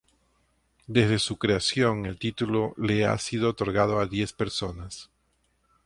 Desde su creación, el título le ha sido otorgado a diez personas.